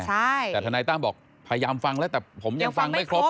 แต่ทนายตั้มบอกพยายามฟังแล้วแต่ผมยังฟังไม่ครบ